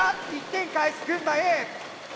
１点返す群馬Ａ。